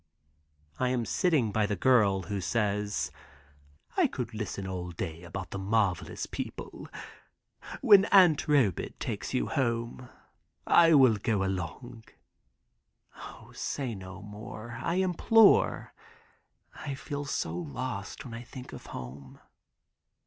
I am sitting by the girl, who says: "I could listen all day about the marvelous people when Aunt Robet takes you home I will go along." "O say no more, I implore. I feel so lost when I think of home."